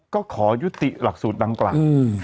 ก็ขอยุติหลักสูตรดังกล่าว